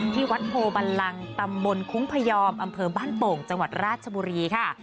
ที่วัดโพบันลังตำบลคุ้งพยอมอำเภอบ้านโป่งจังหวัดราชบุรีค่ะ